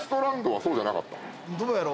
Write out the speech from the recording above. どうやろう？